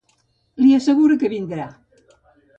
Li assegura que vindrà.